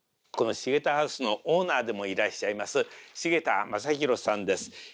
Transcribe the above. このＳＨＩＧＥＴＡハウスのオーナーでもいらっしゃいます繁田雅弘さんです。